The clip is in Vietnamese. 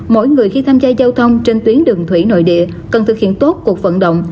mỗi người khi tham gia giao thông trên tuyến đường thủy nội địa cần thực hiện tốt cuộc vận động